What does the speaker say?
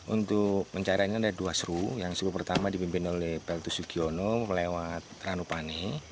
untuk pencariannya ada dua seru yang pertama dipimpin oleh peltu sugiono melewat ranupani